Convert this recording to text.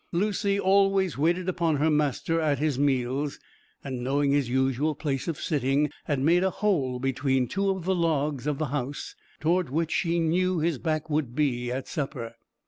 Lucy always waited upon her master at his meals, and knowing his usual place of sitting, had made a hole between two of the logs of the house, towards which she knew his back would be at supper.